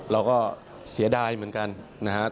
เราก็เสียดายเหมือนกันนะครับ